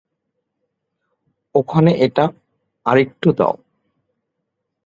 ওখানে এটা আরেকটু দাও।